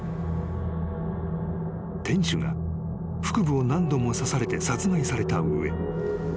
［店主が腹部を何度も刺されて殺害された上］